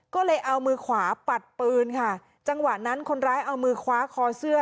ก็เลยเอามือขวาปัดปืนค่ะจังหวะนั้นคนร้ายเอามือคว้าคอเสื้อ